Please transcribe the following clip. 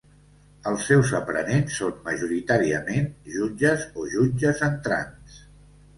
Els seus aprenents són majoritàriament jutges o jutges entrants.